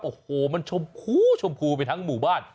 โอ้โหมันชมพูชมพูไปทั้งหมู่บ้าน